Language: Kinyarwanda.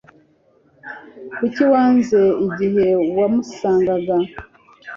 Kuki wanze igihe wamusangaga